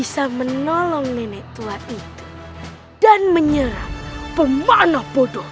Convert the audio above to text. ternyata nenek tua itu sedang bertarung dengan pemanah bodoh